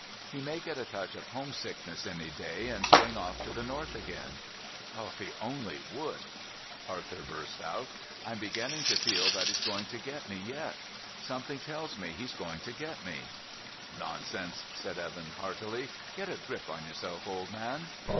He may get a touch of homesickness any day and swing off to the north again." "If he only would!" Arthur burst out. "I'm beginning to feel that he's going to get me yet. Something tells me he's going to get me." "Nonsense," said Evan heartily. "Get a grip on yourself, old man."